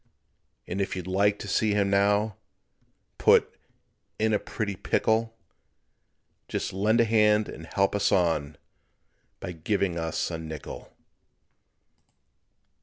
And if you'd like to see him now Put "in a pretty pickle," Just lend a hand and help us on By giving us a nickel.